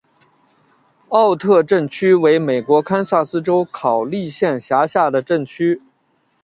奥特镇区为美国堪萨斯州考利县辖下的镇区。